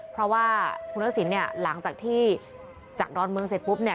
เพราะว่าคุณทักษิณเนี่ยหลังจากที่จากดอนเมืองเสร็จปุ๊บเนี่ย